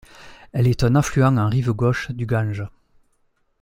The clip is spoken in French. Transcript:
Elle est un affluent en rive gauche du Gange.